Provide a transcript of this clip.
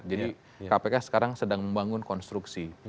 jadi kpk sekarang sedang membangun konstruksi